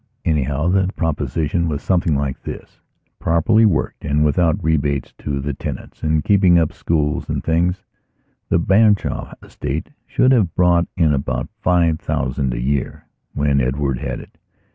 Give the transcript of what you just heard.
Anyhow, the proposition was something like this: Properly worked and without rebates to the tenants and keeping up schools and things, the Branshaw estate should have brought in about five thousand a year when Edward had it.